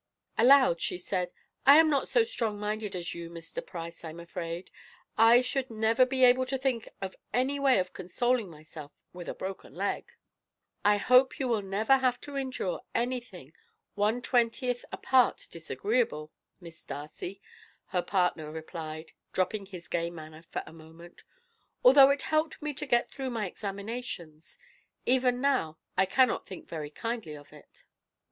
Aloud she said: "I am not so strong minded as you, Mr. Price, I'm afraid. I should never be able to think of any way of consoling myself for a broken leg." "I hope you will never have to endure anything one twentieth a part disagreeable, Miss Darcy," her partner replied, dropping his gay manner for a moment. "Although it helped me to get through my examinations, even now I cannot think very kindly of it."